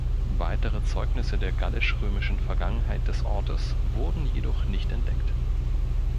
Weitere Zeugnisse der gallisch-römischen Vergangenheit des Ortes wurden jedoch nicht entdeckt.